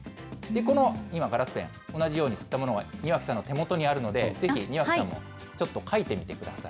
この、今、ガラスペン、同じように吸ったものが、庭木さんの手元にあるので、ぜひ庭木さんも、ちょっと書いてみてください。